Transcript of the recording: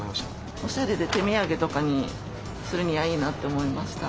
おしゃれで手土産とかにするにはいいなって思いました。